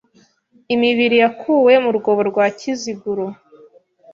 Imibiri yakuwe mu rwobo rwa Kiziguro